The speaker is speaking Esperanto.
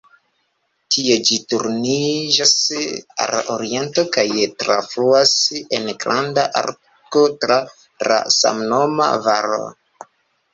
Tie ĝi turniĝas al oriento kaj trafluas en granda arko tra la samnoma valo.